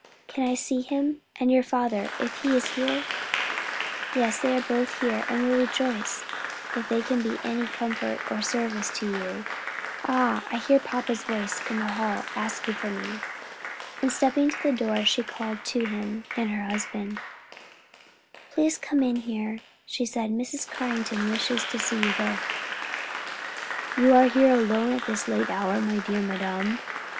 Can I see him? and your father if he is here?" "Yes, they are both here and will rejoice if they can be of any comfort or service to you. Ah, I hear papa's voice in the hall, asking for me!" and stepping to the door, she called to him and her husband, "Please come in here," she said, "Mrs. Carrington wishes to see you both." "You here and alone at this late hour, my dear madam!"